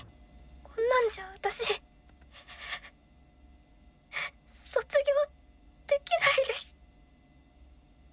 こんなんじゃ私卒業できないです。